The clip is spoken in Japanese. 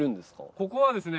ここはですね